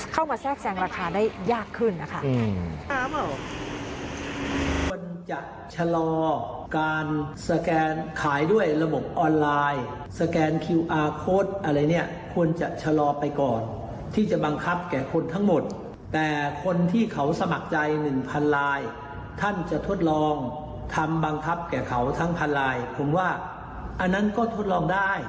แทรกแซงราคาได้ยากขึ้นนะคะ